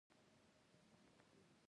استاد د پوهې ښوونکی دی.